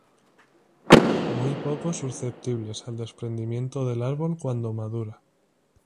Muy poco susceptibles al desprendimiento del árbol cuando madura.